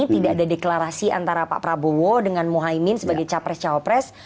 tidak ada deklarasi antara pak prabowo dengan muhaymin sebagai capres cawapres